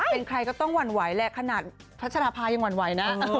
เป็นใครก็ต้องหวั่นไหวแหละขนาดพัชราภายังหวั่นไหวนะ